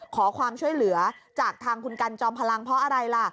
ขอความช่วยเหลือจากทางคุณกันจอมพลังเพราะอะไรล่ะ